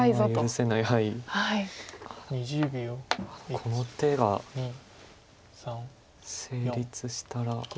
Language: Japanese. この手が成立したら。